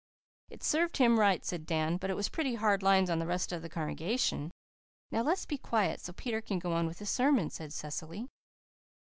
"It served him right," said Dan, "but it was pretty hard lines on the rest of the congregation." "Now, let's be quiet so Peter can go on with his sermon," said Cecily.